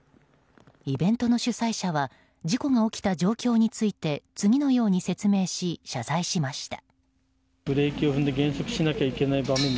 イベントの主催者は事故が起きた状況について次のように説明し、謝罪しました。